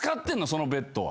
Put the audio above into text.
そのベッドは。